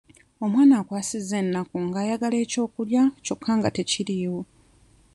Omwana ankwasizza ennaku ng'ayagala eky'okulya kyokka nga tekiriiwo.